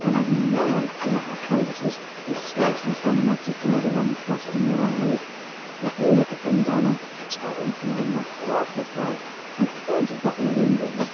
You have no idea how cold it is, and scarcely sun enough to thaw the long frost in your eyes. Let me look at them, Donna. Oh if mine were half as bright. You can't have got them in England."